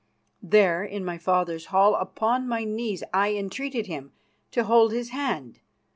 There, in my father's hall, upon my knees, I entreated him to hold his hand.